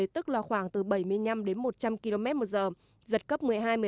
tức là khoảng từ bảy mươi năm đến một trăm linh km một giờ giật cấp một mươi hai một mươi năm